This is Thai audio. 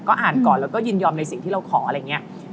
อ่านก่อนแล้วก็ยินยอมในสิ่งที่เราขออะไรอย่างนี้